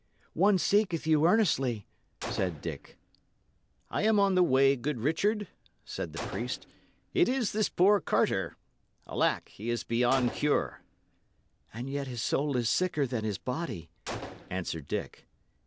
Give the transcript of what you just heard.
"One seeketh you earnestly," said Dick. "I am upon the way, good Richard," said the priest. "It is this poor Carter. Alack, he is beyond cure." "And yet his soul is sicker than his body," answered Dick.